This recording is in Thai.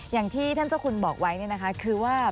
อย่างที่ท่านเจ้าคุณบอกไว้คือว่า